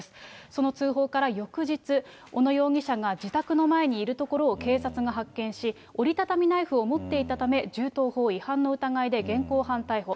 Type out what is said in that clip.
その通報から翌日、小野容疑者が自宅の前にいるところを警察が発見し、折り畳みナイフを持っていたため、銃刀法違反の疑いで現行犯逮捕。